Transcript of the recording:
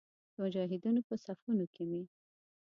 د مجاهدینو په صفونو کې مې.